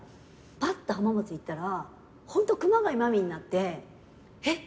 ぱっと浜松行ったらホント熊谷真実になってえっ